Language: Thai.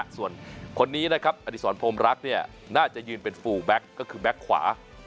ส่วนคนนี้นะครับอดีศรพรมรักเนี่ยน่าจะยืนเป็นฟูแบ็คก็คือแบ็คขวา